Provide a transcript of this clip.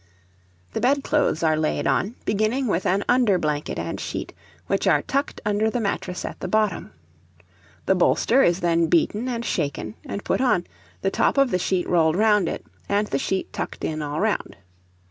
The bedclothes are laid on, beginning with an under blanket and sheet, which are tucked under the mattress at the bottom. The bolster is then beaten and shaken, and put on, the top of the sheet rolled round it, and the sheet tucked in all round.